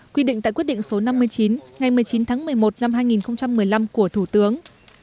quy định tại quyết định số năm mươi chín ngày một mươi chín tháng một mươi một năm hai nghìn một mươi năm của thủ tướng